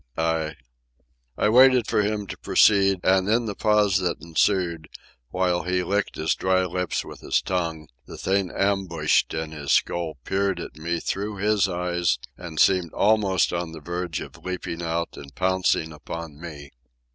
" I waited for him to proceed, and in the pause that ensued, while he licked his dry lips with his tongue, the thing ambushed in his skull peered at me through his eyes and seemed almost on the verge of leaping out and pouncing upon me.